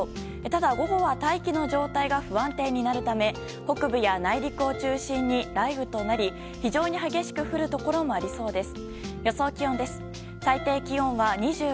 ただ、午後は大気の状態が不安定になるため北部や内陸を中心に雷雨となり非常に激しく降るところもありそうです。